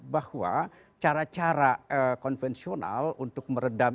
bahwa cara cara konvensional untuk meredam